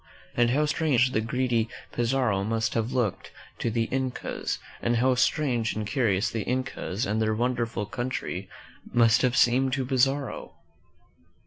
And how strange the greedy Pizarro must have looked to the Incas, and how 'strange and curious the Incas and their wonderful coun try must have seemed to Pizarro!